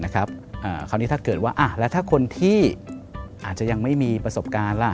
คราวนี้ถ้าเกิดว่าแล้วถ้าคนที่อาจจะยังไม่มีประสบการณ์ล่ะ